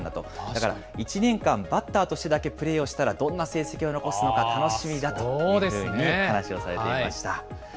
だから１年間、バッターとしてだけプレーをしたらどんな成績を残すのか楽しみだというふうに話をされていました。